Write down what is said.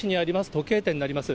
時計店になります。